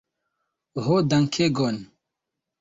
Ho dankegon